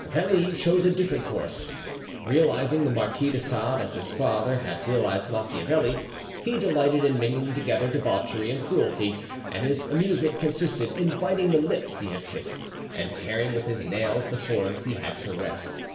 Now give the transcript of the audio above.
Veli chose a different course. Realising the Marquis de Sade as his father had realised Macchiavelli, he delighted in mingling together debauchery and cruelty, and his amusement consisted in biting the lips he had kissed, and tearing with his nails the forms he had caressed.